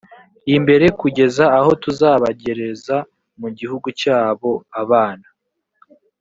imbere kugeza aho tuzabagereza mu gihugu cyabo abana